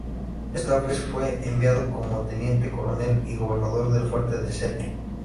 Esta vez fue enviado como teniente coronel y gobernador del fuerte de St.